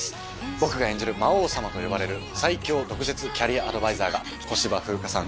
僕が演じる魔王様と呼ばれる最恐毒舌キャリアアドバイザーが小芝風花さん